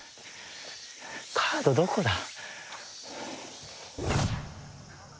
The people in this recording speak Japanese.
カードどこだ？